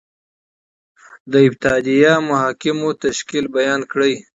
د ابتدائیه محاکمو تشکیل بیان کړئ؟